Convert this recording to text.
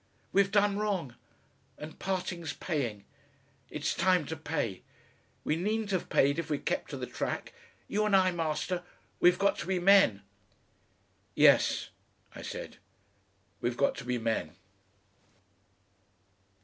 "We've done wrong and parting's paying. It's time to pay. We needn't have paid, if we'd kept to the track.... You and I, Master, we've got to be men." "Yes," I said; "we've got to be men."